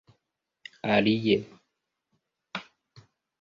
alie